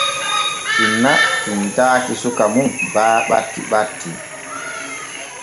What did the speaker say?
Inna tinntaaki suka mum baa ɓatti ɓatti.